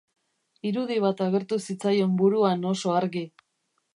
Irudi bat agertu zitzaion buruan oso argi.